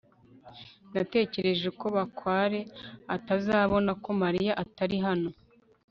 natekereje ko bakware atazabona ko mariya atari hano